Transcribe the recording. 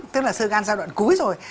tức là sơ gan giai đoạn cuối rồi